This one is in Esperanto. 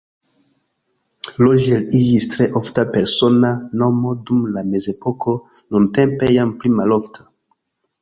Roger iĝis tre ofta persona nomo dum la mezepoko, nuntempe jam pli malofta.